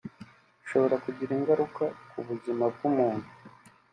bishobora kugira ingaruka ku buzima bw’umuntu